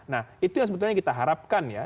nah itu yang sebetulnya kita harapkan ya